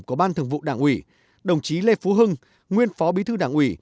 của ban thường vụ đảng ủy đồng chí lê phú hưng nguyên phó bí thư đảng ủy